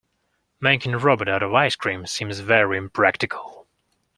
Making a robot out of ice cream seems very impractical.